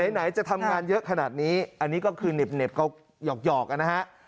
ไหนจะทำงานเยอะขนาดนี้อันนี้ก็คือเหน็บเขาหยอกนะฮะ